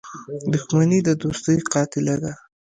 • دښمني د دوستۍ قاتله ده.